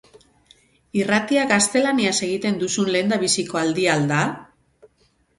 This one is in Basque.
Irratia gaztelaniaz egiten duzun lehendabiziko aldia al da?